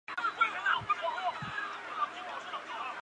东西伯利亚海和南面的西伯利亚之间。